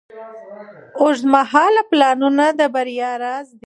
اوږدمهاله پلانونه د بریا راز دی.